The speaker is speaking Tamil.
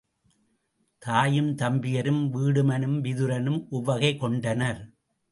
தாயும், தம்பியரும், வீடுமனும், விதுரனும் உவகை கொண்டனர்.